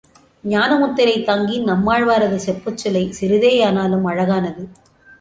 ஞான முத்திரை தாங்கி நம்மாழ்வாரது செப்புச்சிலை சிறிதேயானாலும் அழகானது.